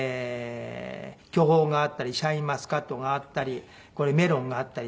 巨峰があったりシャインマスカットがあったりメロンがあったり。